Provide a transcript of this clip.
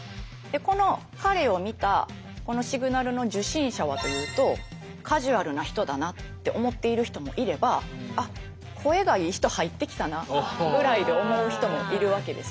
でこの彼を見たこのシグナルの受信者はというとカジュアルな人だなって思っている人もいればあっ声がいい人入ってきたなぐらいで思う人もいるわけですよね。